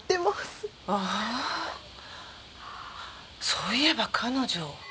そういえば彼女。